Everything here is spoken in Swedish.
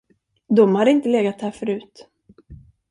De hade inte legat där förut.